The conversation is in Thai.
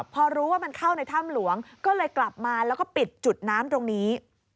พอรู้ว่ามันเข้าในถ้ำหลวงก็เลยกลับมาแล้วก็ปิดจุดน้ำตรงนี้